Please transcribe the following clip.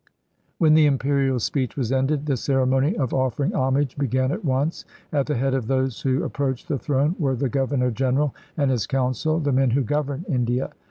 When the Imperial speech was ended, the ceremony of offering homage began at once. At the head of those who approached the throne were the Governor General and his Council, the men who govern India.